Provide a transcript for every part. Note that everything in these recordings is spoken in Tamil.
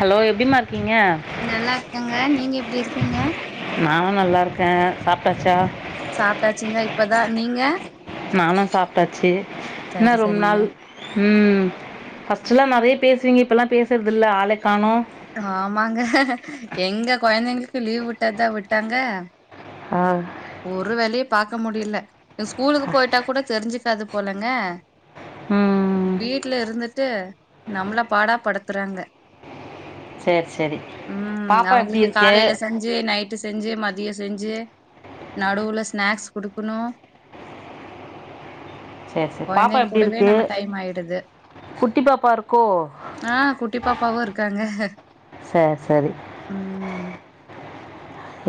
ஹலோ எப்டிமார் நல்லார்க்கங்க நீங்க எப்டி இருக்கீங்க நல்லாருக்க சாப்ட்டாச்சா சாப்ட்டாச்சிங்க இப்பதா நீங்க நானு சாப்ட்டாச்சி ன்ன சரி ரொம் சரிங்க நாள் ம் ஃபஸ்ட்டுல்லா நறைய்ப் பேசுவீங்க இப்பல்லா பேசற்துல்ல ஆலை ஆமாங்க எங்க கொயந்தைங்ளு கு லீவ் உட்டாதா உட்டாங்க ஆ ஒரு வேல்யு பாக்க முடிய்ல இந்த ஸ்கூலுக்கு ஆ. போயிட்டா கூட தெரிஞ்சுக்காது போலங்க ம் வீட்ல இருந்துட்டு நம்பள பாடா படுத்துறாங்க சரி சரி ம் பாப்பா எப்படி அவங்களுக்கு இருக்கு காலையில செஞ்சு நைட்டு செஞ்சு செஞ்சு மதியம் செஞ்சு நடுவுல ஸ்நாக்ஸ் குடுக்கணும் சரி சரி பாப்பா குழந்தைங்க எப்படி கூடவே இருக்கு நம்ம டைம் ஆயிடுது குட்டி பாப்பா இருக்கோ ஆ குட்டி பாப்பாவும் இருக்காங்க சரி ம்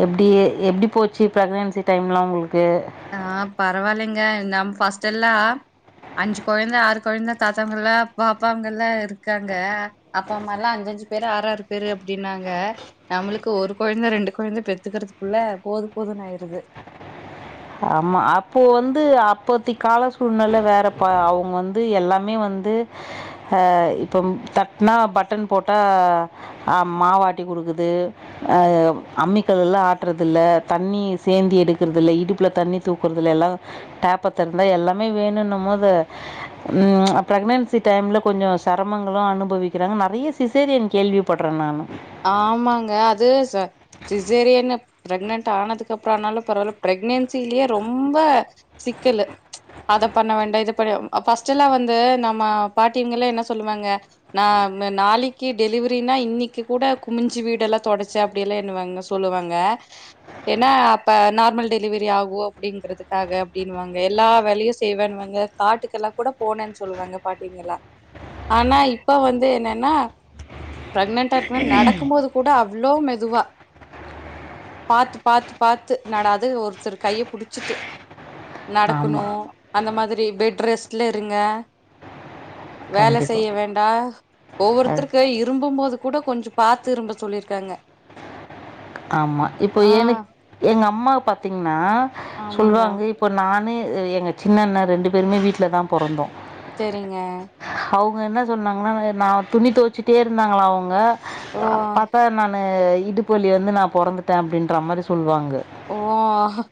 எப்டி எப்டி போச்சு பிர்க்னன்சி டைம்லாம் உங்களுக்கு ஆ பரவாயில்லைங்க நம் பஸ்ட் எல்லாம் அஞ்சு குழந்த ஆறு குழந்த தாத்தாங்க எல்லாம் பாப்பாங்க எல்லாம் இருக்காங்க அப்பா அம்மா எல்லாம் அஞ்ச அஞ்சு பேரு ஆறாறு பேரு அப்படின்னாங்க நம்மளுக்கு ஒரு குழந்த ரெண்டு குழந்த பெத்துக்கிறதுக்குள்ள போது போதுன்னு ஆயிருது ஆமா அப்போ வந்து அப்பத்தி கால சூழ்நில வேற பா அவங்க வந்து எல்லாமே வந்து ஆ இப்போ தட்னா பட்டன் போட்டா ஆ மாவாட்டி குடுக்குது ஆ அம்மிக்கல் எல்லாம் ஆட்டுறது இல்ல தண்ணி சேந்தி எடுக்கறத இல்லை இடுப் ப்ல தண்ணி தூக்குறதுல எல்லாம் டேப்ப த இருந்தா எல்லாமே வேணும்ன்னும் போது ம் ம் ப்ரக்னன்சி டைம்ல கொஞ்சம் சிரமங்களும் அனுபவிக்கிறாங்க நிறைய சிசேரியன் கேள்விப்பட்றேன் நானு ஆமாங்க அது சிசேரியன்னு பிரெக்னன்ட் ஆனதுக்கு அப்புறம் ஆனாலும் பரவால்ல பிரெக்னன்சிலயே ரொம்ப சிக்கல் அத பண்ண வேண்டாம் இத பண்ண பர்ஸ்ட் எல்லாம் வந்து நம்ம பாட்டிவங்க எல்லாம் என்ன சொல்லுவாங்க ந நாளைக்கு டெலிவரினா இன்னைக்கு கூட குமிஞ்சு வீடெல்லாம் தொடச்ச அப்டி எல்லாம் என்னுவாங்க சொல்லுவாங்க ஏன்ன அப்ப நார்மல் டெலிவரி ஆகும் அப்டிங்கறதுக்காக அப்டினுவாங்க எல்லா வேலையும் செய்வேன்பாங்க காட்டுக்கெல்லாம் கூட போனேன் சொல்லுவாங்க பாட்டீங்களான் ஆனா இப்ப வந்து என்னென்னா பிரெக்ன ன்ட் நடக்கும்போது கூட அவ அவ்ளோ மெதுவா பாத்து பாத்து பாத்து நட அது ஒருத்தர் கைய புடிச்சிட்டு ஆமா. நடக்கணும் அந்த மாதிரி பெட் ரெஸ்ட்ல இருங்க வேல கண்டிப்பா. செய்ய வேண்டா அது ஒவ்வொருத்தருக்கு இரும்பும் போது கூட கொஞ்சம் பாத்து இரும்ப சொல்லியிருக்காங்க ஆமா இப்போ எனக் எங்க அம்மா பாத்தீங் கன்னா ஆமாங்க சொல்லுவாங்க இப்போ நானு எ எங்க சின்ன அண்ண ரெண்டு பேருமே வீட்ல தான் பொறந்தோம் செரிங்க அவுங்க என்ன சொன்னாங்கன்னா நா துணி துவைச்சிட்டே இருந்தாங்களா அவுங்க ஓ பாத்தா நான் ஆ இடுப்பு வலி வந்து நா பொறந்துட்டே அப்டின்ற மாரி சொல்லுவாங் ஓ ஆ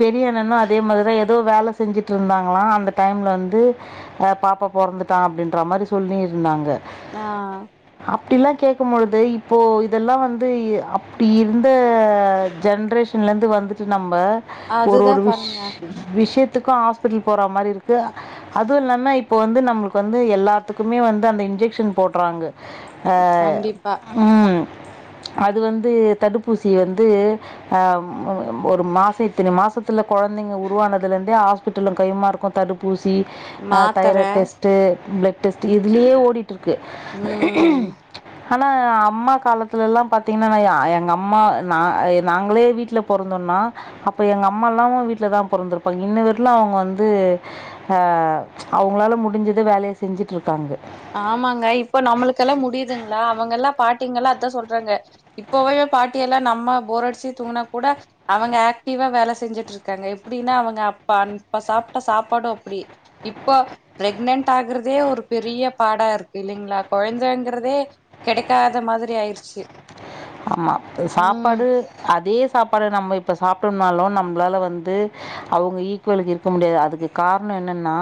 பெரியண்ணனும் அதே மாரி தான் ஏதோ வேலை செஞ்சிட்டு இருந்தாங்களாம் அந்த டைம்ல வந்து ஆ பாப்பா பொறந்துட்டான் அப்டின்ற மாதிரி சொல்லியிருந்தாங்க ஆ அப்டிலாம் கேட்கும் பொழுது இப்போ இதெல்லாம் வந்து அப் டி இருந்த ஜென்ரேஷன்லருந்து வந்துட்டு நம்ம ஒரு அதுதா ஒரு விஷ் பாருங்க விஷய த்துக்கும் ஹாஸ்பிட்டல் போற மாரி இருக்கு அதுவும் இல்லாம இப்போ வந்து நம்மளுக்கு வந்து எல்லாத்துக்குமே வந்து அந்த இன்ஜெக்க்ஷன் போட்றாங்க அஹ் கண்டிப்பா உம் அது வந்து தடுப்பூசி வந்து அ ஒரு மாச இத்தினி மாசத்துல குழந்தைங்க உருவானதுலந்தே ஹாஸ்பிட்டலுங் கையுமா இருக்கு தடுப்பூ சி அ மாத்தர தைராய்ட் டெஸ்ட் பிளெட் டெஸ்ட் இதுலயே ஓடிட் ட்ருக்கு ம் ஆனா அம்மா காலத்துலலெல்லா பாத்தீங்கன்னா நா என் எங்க அ ம்மா நா நாங்களே வீட்ல பொறந்தோன்னா அப்போ எங்க அம்மா எல்லாவு வீட்லதா பொறந்துருப்பாங்க இன்னு வரைலு அவுங்க வந்து அ ப்ச் அவுங்களால முடிஞ்சத வேலைய செஞ்சுட்டு இருக்காங்க ஆமாங்க இப்ப நம்மளுக்கெல்லாம் முடியுதுங்களா அவுங்கெல்லா பாட்டிங்கல்லா அதா சொல்றாங்க இப்போவே பாட்டி எல்லா நம்ம போர் அடிச்சு தூங்கினா கூட அவுங்க ஆக்டிவா வேலை செஞ்சுட்டு இருக்காங்க எப்டின்னா அவுங்க அப்ப அப்ப சாப்ட்ட சாப்பாடு அப்டி இப்போ பிரெக்னன்ட் ஆகுறதே ஒரு பெரிய பாடா இருக்கு இல்லலைங்களா குழந்தைங்கிறதே கிடைக்காத மாதிரி ஆயிருச்சு ஆமா ம் சாப்பாடு அதே சாப்பாடு நம்ம இப்ப சாப்பிட்டோம்னாலு நம்மளால வந்து அவுங்க ஈக்குவலுக்கு இருக்க முடியாது அதுக்கு காரணோ என்னன்னா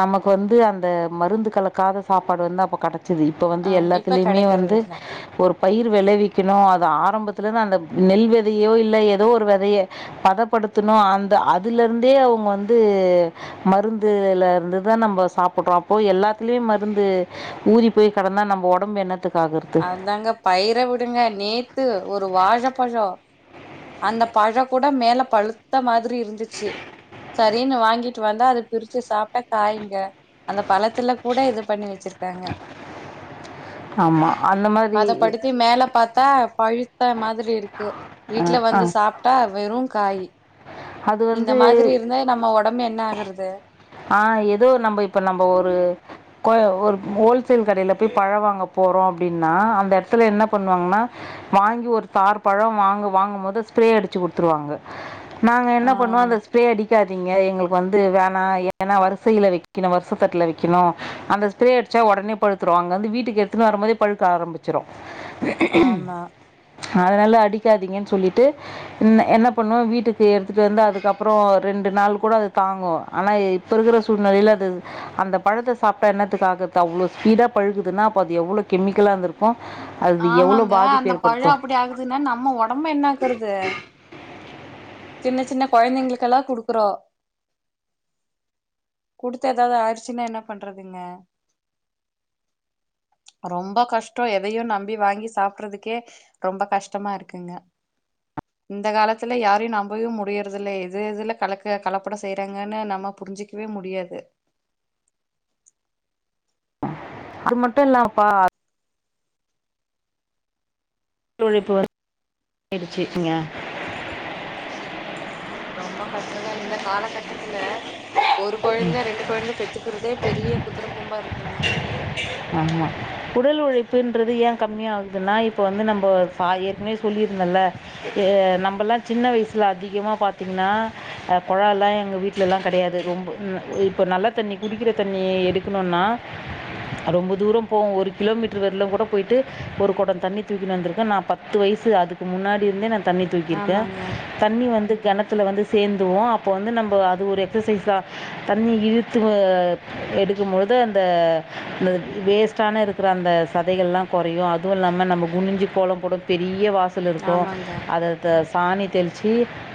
நமக்கு வந்து அந்த மருந்து கலக்காத சாப்பாடு வந்து அப்ப கிடை ச்சிது இப்போ ஆ வந்து இப்ப எல்லாத்துலயுமே கெடைக்கிறது வந்து இல்ல ஒரு பயிர் வெளைவி க்கணு அது ஆரம்பத்துல இருந்து அந்த நெல் வெதையோ இல்ல ஏதோ ஒரு வெதைய பதப்படுத்தணு அந்த அதுல இருந்தே அவுங்க வந்து மருந்துல இருந்துதா நம்ப சாப்புடுறோ அப்போ எல்லாத்திலியு மருந்து ஊறி போய் கடந்தா நம்ப ஒடம்பு என்னத் அதாங்க பயிர விடுங்க நேத்து ஒரு வாழப்பழோ அந்த பழோக் கூட மேல பழுத்த மா திரி இருந்துச்சு சரின்னு வாங்கிட்டு வந்தா அது பிரிச்சு சாப்ட்டா காயுங்க அந்த பழத்துல கூட இது பண்ணி வெச்சிருக்காங்க ஆமா அந்த மாதிரி பதப்படுத்தி மேல பாத்தா பழுத்த மாதிரி இருக்கு அ, வீட்ல அ. வந்து சாப்ட்டா வெறு காயி அது இந்த வந்து மாதிரி இருந்தா நம்ம ஒடம்பு என்ன ஆகுறது ஆஹ் ஏதோ நம்ப இப்பொ நம்ப ஒரு கோ ஒரு ஹோல்சேல் கடையல போய் பழ வாங்க போறோ அப்டின்னா அந்த எடத்ல என்ன பண்ணுவாங்கன்னா வாங்கி ஒரு தார் பழம் வாங்க வாங்கும் போது ஸ்ப்ரே அடிச்சு குடுத்துருவாங்க நாங்க என்ன ஆ பண்ணுவோ அந்த ஸ்ப்ரே அடிக்கா தீங்க எங்களுக்கு வந்து வேணா ஏனா வரிசையில வெக்கணு வருசத்தட்டுல வெக்கணு அந்த ஸ்ப்ரே அடிச்சா ஒடனே பழுத்துரு அங்க வந்து வீட்டுக்கு எடுத்துன் வரும்போதே பழுக்க ஆரம்பிச்சிரு ஆமா அதனால அடிக்காதீங்கன்னு சொல்லிட்டு என் என்ன பண்ணுவ வீட்டுக்கு எடுத்துட்டு வந்து அதுக்கப்றோ ரெண்டு நாள் கூட அது தாங்கு ஆனா இப்பொ இருக்குற சூழ்நிலையில அது அந்த பழத்த சாப்ட்டா எண்ணத்துக்காகர்து அவ்ளோ ஸ்பீடா பழுகுதுன்னா அப்போ அது எவ்ளோ கெமிக்கலா இருந்துருக்கு ஆமாங்க அந்த பழோ அப்டி ஆகுதுன்னா நம்ம ஒடம்பு என்னாகுறது சின்ன சின்ன கொழந்தைங்களுக்கெல்லா குடுக்கறோ குடுத்தா எதாவது ஆயிருச்சுன்னா என்ன பண்றதுங்க ரொம்ப கஷ்டொ எதையு நம்பி வாங்கி சாப்டுறதுக்கே ரொம்ப கஷ்டமா இருக்குங்க இந்த காலத்துல யாரையு நம்பவே முடியறது இல்ல எது எதுல கலக்க கலப்படொ செய்றாங்கன்னு நம்ம புரிஞ்சு க்கவே முடியாது அது மட்டு இல்லாமப்பா உழைப்பு வந்துடுச்சுங்க ரொம்ப கஷ்டோதா இந்த காலகட்டத்துல ஒரு கொழந்த ரெண்டு கொழந்த பெத்துக்குறதே பெரிய குதுரக்கொம்பா இருக் ஆமா உடல்லு உழைப்புன்றது ஏ கம்மியாகுதுன்னா இப்போ வந்து நம்போ ச ஏற்கனவே சொல்லியிருந்தல்ல எ நம்பல்லா சின்ன வயசுல அதிகமா பாத்திங்ன்னா அ கொழல்லா எங்க வீட்லல்லா கெடையாது ரொம்பு [unintelligible] இப்போ நல்ல தண்ணி குடிக்கிற தண்ணி எடுக்கணுன்னா ரொம்ப தூரோ போவோ ஒரு கிலோமீட்டர் வரிலு கூட போயிட்டு ஒரு கொடோ தண்ணி தூக்கினு வந்திருக்க நா பத்து வயசு அதுக்கு முன்னாடி இருந்தே நாந் தண்ணி தூக்கிருக்க ஆமாங்க, தண்ணி வந்துப் கெணத்துல வந்து சேந்துருவோ அப்போ வந்து நம்ப அது ஒரு எக்சசைஸா தண்ணி இழுத்து வ எடுக்கும்பொழுது அந் த [unintelligible] வேஸ்டான இருக்குற அந்த சதைகள்லா கொறையு அதுவுல்லாம நம்ப குனிஞ்சு கோலம் போடவு பெரிய வாஸ் சல் இருக்கு ஆமாங்க. அத தாஸ் சாணி தெளிச்சி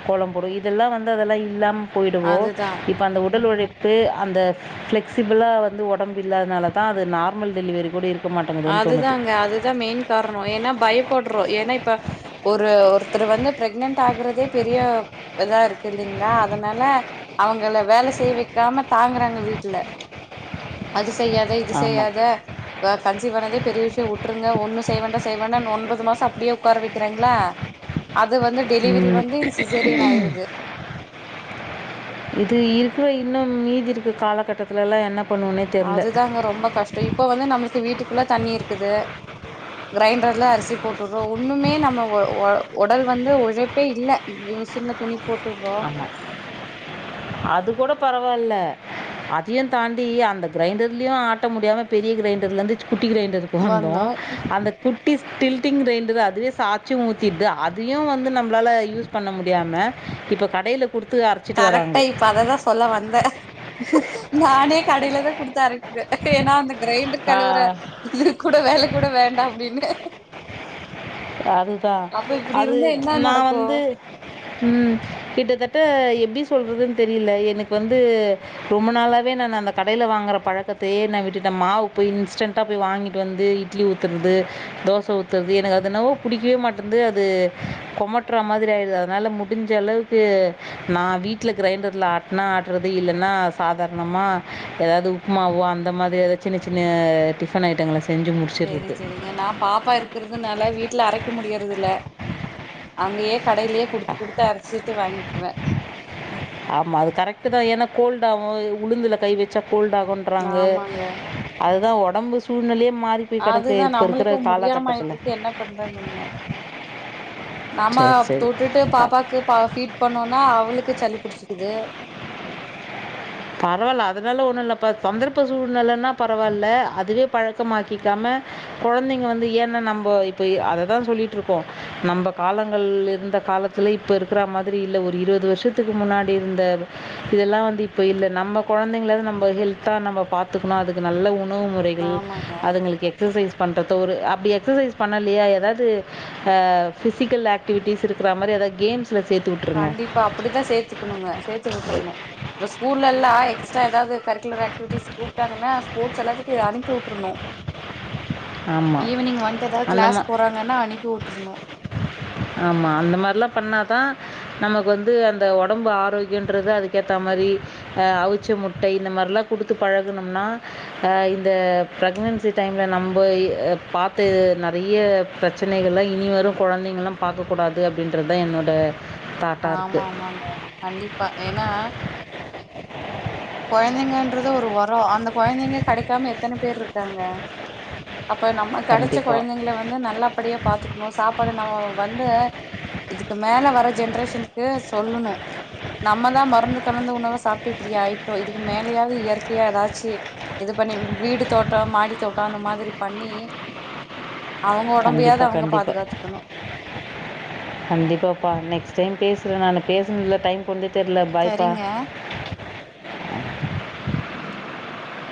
கோல போடுவோ இதெல்லா வந்து அதெல்லா இல்லாம் போயிடுவோ அதுதான். இப்ப அந்த உடல் உழைப் பு அந்த பிளெக்சிபிளா வந்து ஒடம் பு இல்லாதனால தா அது நார்மல் டெலிவரி கூடி இருக் அதுதாங்க அதுதா மெயின் காரனோ ஏன்னா பயப்பட்றோ ஏன்னா இப்ப ஒரு ஒருத் ஒருத்தரு வந்து பிரெக்னன்ட் ஆகுறதே பெரிய இதா இருக்கு இல்லைங்களா அதனால அவங்கள வேல செய் வக்காம தாங்குறாங்க வீட்டுல அதுஸ் செய்யாத இது ஆமாம் செய்யாத ஒக் கஞ்சி பனதே பெரிய விஷயோ வுட்ருங்க ஒன்னு செய்வேண்டா செய்வேண்டான் ஒன்பது மாசஸ் சப்டியே உக்கார வைக்கிறாங்களா அது வந்து டெலிவரி உம் வந்து சிசேரியன் ஆயிருது இது இருக்கோ இல் இன்னு மீதி இருக்கு காலகட்டத்துலலெல்லா என்னப் அதுதாங்க ரொம்ப கஷ்டோ இப்ப வந்து நம்மளுக்கு வீட்டுக்குள்ள தண்ணி இருக் குது கிரைண்டர்ல அரிசி போட்டுறோ ஒன்னுமே நம்ம ஒ ஒ உடல் வந்து உழைப்பே இல் மிஷின்ல துணிப் ஆமா அது கூட பரவால்ல அதையு தாண்டி அந்த கிரைண்டர்லு ஆட்ட முடியாம பெரிய கிரைண்டர்ல இருந்து ச் குட்டி கிரைண்டருக்கு வந்தோ வந்தோம் அந்தக்குட் டிஸ் டில்டிங் கிரைண்டுதா அதுவே சாச்சி ஊத்திடுது அதையு வந்து நம்ளால யூஸ் பண்ண முடியாம இப்போக் கடைலப் கரெக்டா இப்ப அததா சொல்ல வந்தே நானே கடையில தா குடுத்து அரைப் ஏன்னா அந்த கிரைண்டர் கழுவுற இது கூட வேல கூட வேண்டா அப்டின்னு அதுதா அப்ப இப்டி அது இருந்தா ம்ச் என்ன நா நடக்கும் வந்து ம் கிட்டத்தட்ட எத் எப்டி சொல்றது தெரியில எனக்கு வந்து ரொம்ப நாளாவே நா அந்த கடையில வாங்கற பழக்கத்தையே நா விட்டுட்டே மாவு போய் இன்ஸ்டா போய் வாங்கிட்டு வந்து இட்லி ஊத்துறது தோச ஊத்துறது எனக்கு அத் அதனவோ பிடிக்கவே மாட்டேன்து அது கொமட்ற மாதிரி ஆயிடுது அதனால முடிஞ்ச அளவுக்கு நா வீட்ல கிரைண்டர்ல ஆட்டனா ஆட்டுறது இல்லைன்னா சாதாரணமா ஏதாவது உப்மாவோ அந்த மாரி ஏதாவது சின்ன சின்ன டிஃபன் ஐட்டங்கள செஞ் செரி செரிங்க நா பாப்பா இருக்கிறதுனால் ல வீட்ல அரைக்க முடியறது இல்ல அங்கயே கடையிலயே குடுத்து குடுத்து அரைச்சுட்டு வாங்கிவே ஆமா அது கரெக்ட்டு தா ஏன்னா கோல்டாவு இ உளுந்துல கை வச்சா கோல்ட் ஆகுறாங்க ஆமாங்க அதுதா ஒ உடம்ப சூழ்நில அதுதா நம்மளுக்கு முடியாம ஆயட்டு இருக்கு என்ன பண்றங்கங்க நம்ம சரி சரி தொட்டுட்டு பா பாப்பாக்கு பால் ஃபீட் பண்ணோம்னா அவளுக்கு சளி புடிச்சு இது பரவாயில்ல அதனால ஒண்ணு இல்ல சந்தர்ப்ப சூழ்நிலன்னா பரவாயில்ல அதுவே பழக்கமாக்கிக்காம கொழந்தைங்க வந்து ஏன்ன நம்ம இப்ப அததா சொல்லிட்டு இருக்கோ நம்ம காலங்கள் இருந்த காலத்துல இப்ப இருக்கிற மாரி இல்ல ஒரு இருபது வருஷத்துக்கு முன்னாடி இருந்த இதெல்லா வந்து இப்ப இல்ல நம்ம கொழந்தைங்கள நம ஹெல்தா நம்ம பாத்துக்கணு அதுக்கு நல்ல உண் உணவு முறைகள் ஆமாங்க அதுங்களுக்கு எக்ஸசைஸ் பண்ணுறத ஒரு அப்டி எக்ஸசைஸ் பண்ணலையா ஏதாவது அ ஃபிசிக்கல் ஆக்டிவிட்டிஸ் இருக்கிற மாரி ஏதாவது கேம்ஸ் கண்டிப்பா அப்டிதா சேத்துக்கணுங்க சேத்து விட்டுரணு ஸ்கூல்ல எல்லா எக்ஸ்ட்ரா ஏதாவது கரிக்குலர் ஆக்டிவிட்டிஸ் கூப்பிட்டாங்கன்னா ஸ்போர்ட்ஸ் எல்லாத்துக்கும் அனுப்பி விட்ரணும் ஆமாம் ஈவினிங் வண்டு ஏதாவது அந்த கிளாஸ் போறாங்கன்னா அனுப்பி விட்டுருணும் ஆமா அந்த மாதிரிலா பண்ணாதான் நமக்கு வந்து அந்த ஒடம்பு ஆரோக்கியன்றது அதுக்க ஏத்த மாதிரிஹ் அவிச்ச முட்டை இந்த மாரிலாம் கொடுத்து பழகணும்னா அஹ் இந்த ப்ரெக்னன்சி டைம்ல நம் அ பாத்து நெறைய பிரச்சனைகள்லா இனி வரும் குழந்தைங்கள்லா பக்ககக்கூடாது அப்டின்றது தான் என்னோட ஆமாமாங்க கண்டிப்பா ஏனா குழந்தைங்கன்றது ஒரு வரோ அந்த குழந்தைங்க கெடைக்காம எத்தன பேர் இருக்காங்க அப்ப நம்ம கிடைச்ச கண்டிப்பாக கொழந்தைங்கள வந்து நல்லபடியா பாத்துக்கணு சாப்பாடு நம்ம வந்து இதுக்கு மேல வர ஜென்ரேஷனுக்கு சொல்லணு நம்ம தா மருந்து கலந்த உணவ சாப்ட்டு இப்டி ஆய் இதுக்கு மேலயாவது இயற்கையா ஏதாச்சு இது பண்ணி வீடு தோட்டம் மாடி தோட்டம் அந்த மாரி பண்ணி அவங்க ஒடம்பையாவது கண்டிப்பா அவங்க கண்டிப்பா பாதுகாத்துக்கணு கண்டிப்பா பா நெக்ஸ்ட் டைம் பேசுறே நானூ பேசினதுல டைம் கொண்டு தெர்ல பாய்ப்பா சரிங்க